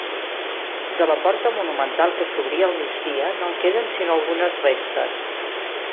De la porta monumental que s'obria al migdia no en queden sinó algunes restes.